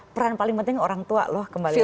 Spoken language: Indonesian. peran paling penting orang tua loh kembali